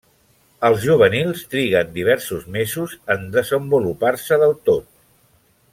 Els juvenils triguen diversos mesos en desenvolupar-se del tot.